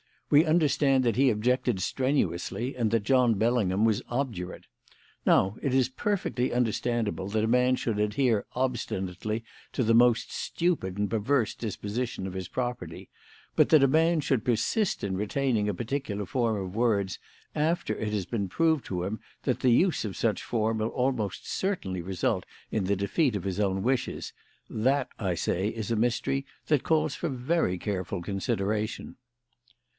We understand that he objected strenuously, and that John Bellingham was obdurate. Now it is perfectly understandable that a man should adhere obstinately to the most stupid and perverse disposition of his property; but that a man should persist in retaining a particular form of words after it has been proved to him that the use of such form will almost certainly result in the defeat of his own wishes; that, I say, is a mystery that calls for very careful consideration."